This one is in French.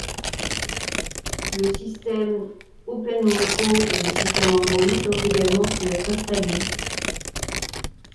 Le système Openmoko et le système Android ont également pu être installés.